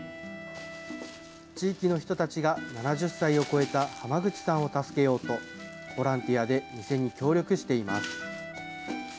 地域の人たちが、７０歳を超えた浜口さんを助けようと、ボランティアで店に協力しています。